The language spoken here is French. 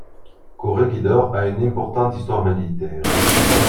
Corregidor a une importante histoire militaire.